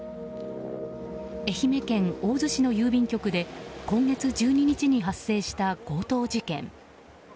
愛媛県大洲市の郵便局で今月１２日に発生した強盗事件。